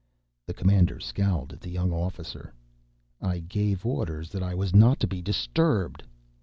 The commander scowled at the young officer. "I gave orders that I was not to be disturbed."